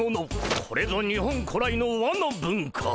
これぞ日本古来の和の文化。